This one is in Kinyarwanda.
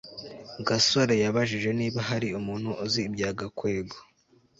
gasore yabajije niba hari umuntu uzi ibya gakwego